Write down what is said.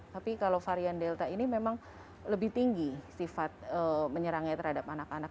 tapi kalau varian delta ini memang lebih tinggi sifat menyerangnya terhadap anak anak